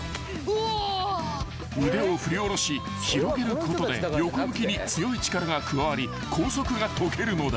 ［腕を振り下ろし広げることで横向きに強い力が加わり拘束が解けるのだ］